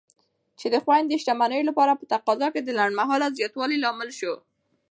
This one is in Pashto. چې د خوندي شتمنیو لپاره په تقاضا کې د لنډمهاله زیاتوالي لامل شو.